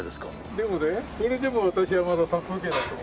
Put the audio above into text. でもねこれでも私はまだ殺風景だと思う。